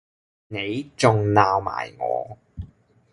你仲鬧埋我